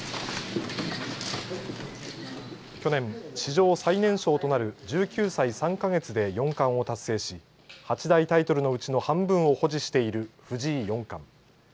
去年、史上最年少となる１９歳３か月で四冠を達成し八大タイトルのうちの半分を保持している藤井四冠。